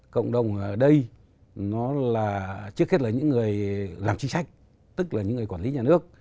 cộng đồng ở đây nó là trước hết là những người làm chính sách tức là những người quản lý nhà nước